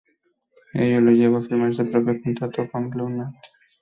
Ello le llevó a firmar su propio contrato con Blue Note.